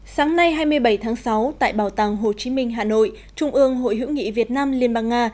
sáng nay hai mươi bảy tháng sáu tại bảo tàng hồ chí minh hà nội trung ương hội hữu nghị việt nam liên bang nga